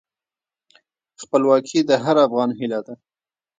خپلواکي د هر افغان هیله ده.